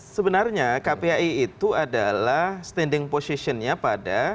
sebenarnya kpai itu adalah standing position nya pada